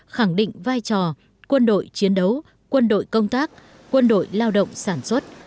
khẳng định vai trò quân đội chiến đấu quân đội công tác quân đội lao động sản xuất